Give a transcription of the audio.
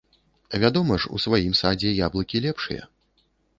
Вядома ж, у сваім садзе яблыкі лепшыя.